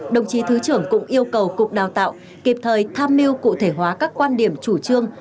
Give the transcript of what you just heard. đồng chí thứ trưởng cũng yêu cầu cục đào tạo kịp thời tham mưu cụ thể hóa các quan điểm chủ trương